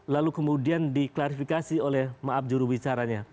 lalu kemudian diklarifikasi oleh maaf jurubicaranya